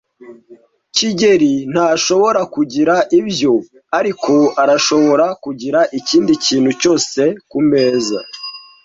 kigeli ntashobora kugira ibyo, ariko arashobora kugira ikindi kintu cyose kumeza.